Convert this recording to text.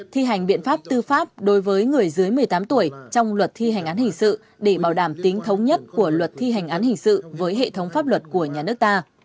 thi hành biện pháp tư pháp đối với người dưới một mươi tám tuổi trong luật thi hành án hình sự để bảo đảm tính thống nhất của luật thi hành án hình sự với hệ thống pháp luật của nhà nước ta